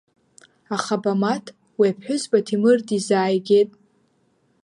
Аха Бамаҭ уи аԥҳәызба Ҭемыр дизааигеит.